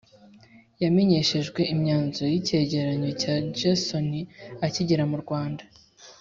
yamenyeshejwe imyanzuro y'icyegeranyo cya gersony akigera mu rwanda